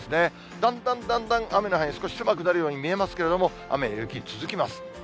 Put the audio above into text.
だんだんだんだん雨の範囲、少し狭くなるように見えますけれども、雨や雪続きます。